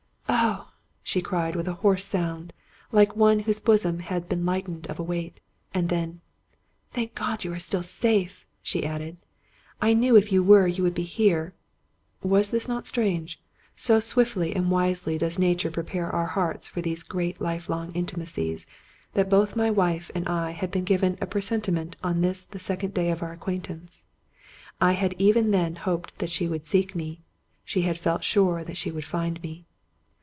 "Oh!" she cried, with a hoarse sound, like one whose bosom had been lightened of a weight. And then, " Thank God you are still safe! " she added; " I knew, if you were, you would be here." (Was not this strange? So swiftly and wisely does Nature prepare our hearts for these great lifelong intimacies, that both my wife and I had been given a presentiment on this the second day of our acquaintance. I had even then hoped that she would seek me; she had felt sure that she would find me.)